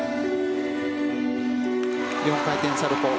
４回転サルコウ。